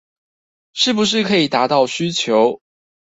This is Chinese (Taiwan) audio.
是不是可以達到需求